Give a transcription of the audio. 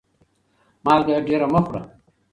مالګه ډيره مه خوره